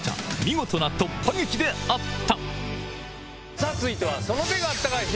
さぁ続いては。